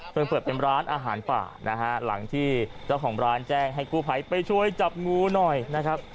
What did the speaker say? เปิดเป็นร้านอาหารป่านะฮะหลังที่เจ้าของร้านแจ้งให้กู้ภัยไปช่วยจับงูหน่อยนะครับ